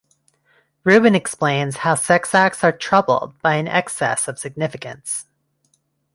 Rubin explains how sex acts are troubled by an excess of significance.